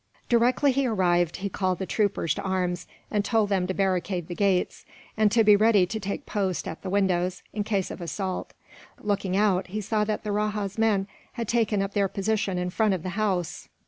Directly he arrived he called the troopers to arms, and told them to barricade the gates, and to be ready to take post at the windows, in case of assault. Looking out, he saw that the rajah's men had taken up their position in front of the house.